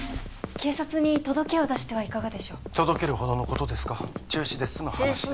警察に届けを出してはいかがでしょう届けるほどのことですか中止で済む話です